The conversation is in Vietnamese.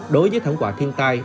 đối với thẩm quả thiên tai